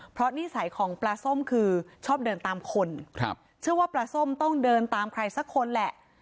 เพราะนิสัยของปลาส้มคือชอบเดินตามคนครับเชื่อว่าปลาส้มต้องเดินตามใครสักคนแหละ